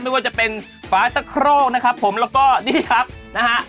ไม่ว่าจะเป็นฝาชะโครกนะครับผมแล้วก็นี่ครับนะฮะ